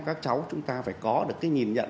các cháu chúng ta phải có được cái nhìn nhận